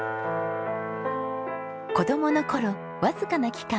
子供の頃わずかな期間